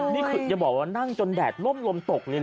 นี่คืออย่าบอกว่านั่งจนแดดร่มตกเลยเหรอ